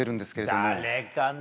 誰かな？